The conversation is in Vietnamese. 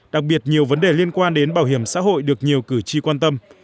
đặc biệt nhiều vấn đề liên quan đến bảo hiểm xã hội được nhiều cử tri quan tâm